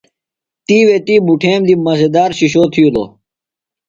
تِیوے تی بُٹھمیم دی مزہ دار شِشو تِھیلوۡ۔